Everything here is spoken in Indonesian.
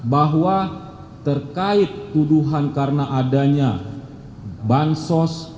bahwa terkait tuduhan karena adanya bantuan sosial